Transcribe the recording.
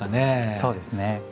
そうですね。